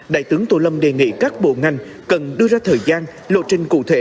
đại tướng tô lâm đề nghị các bộ ngành cần đưa ra thời gian lộ trình cụ thể